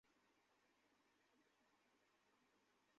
এটা কি সে সম্পর্কে আমাদের ধারণাও নেই!